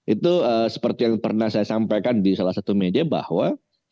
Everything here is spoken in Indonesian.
itu seperti yang pernah saya sampaikan di salah satu media bahwa